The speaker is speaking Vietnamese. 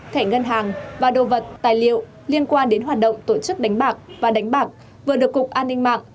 thẻ ngân hàng và đồ vật tài liệu liên quan đến hoạt động tổ chức đánh bạc và đánh bạc vừa được cục an ninh mạng